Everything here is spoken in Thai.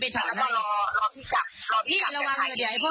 แม่กันเนี่ยเขาให้อาศิษย์คุก